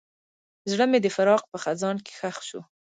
زړه مې د فراق په خزان کې ښخ شو.